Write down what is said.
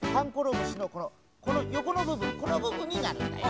むしのこのこのよこのぶぶんこのぶぶんになるんだよ。